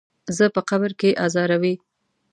زه په قبر کې ازاروي.